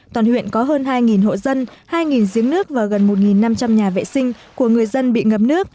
toàn huyện có hơn hai hộ dân hai giếng nước và gần một năm trăm linh nhà vệ sinh của người dân bị ngập nước